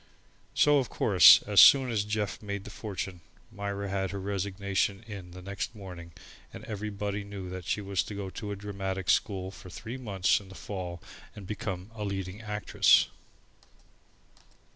So, of course, as soon as Jeff made the fortune, Myra had her resignation in next morning and everybody knew that she was to go to a dramatic school for three months in the fall and become a leading actress.